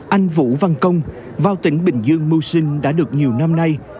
anh vũ văn công vào tỉnh bình dương mưu sinh đã được nhiều năm nay